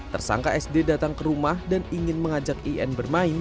tersangka sd datang ke rumah dan ingin mengajak in bermain